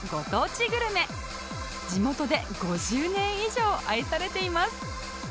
地元で５０年以上愛されています